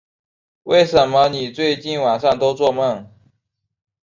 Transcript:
为什么你最近晚上都作梦